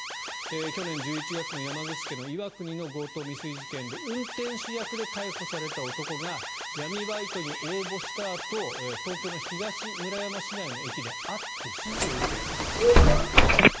去年１１月の、岩国市の強盗未遂事件で運転手役で逮捕された男が闇バイトに応募したあと東京の東村山市の駅内で会って指示を受けたということです。